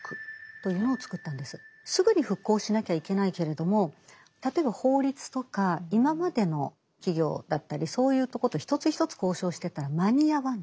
すぐに復興しなきゃいけないけれども例えば法律とか今までの企業だったりそういうとこと一つ一つ交渉してったら間に合わない。